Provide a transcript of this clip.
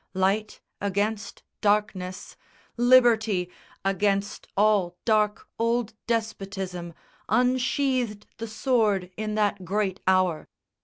Light against darkness, Liberty Against all dark old despotism, unsheathed The sword in that great hour.